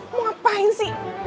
mau ngapain sih